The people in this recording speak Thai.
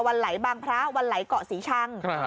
วันไหลบางพระวันไหลเกาะศรีชัง